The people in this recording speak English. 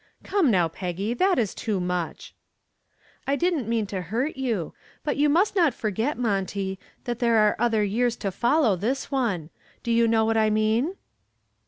"Come now, Peggy, that is too much." "I didn't mean to hurt you. But you must not forget, Monty, that there are other years to follow this one. Do you know what I mean?"